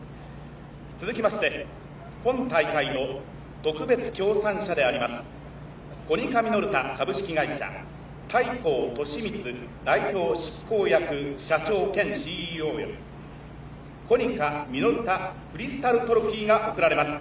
続きまして、本大会の特別協賛社でありますコニカミノルタ株式会社大幸利充代表執行社長兼ＣＥＯより、コニカミノルタクリスタルトロフィーが贈られます。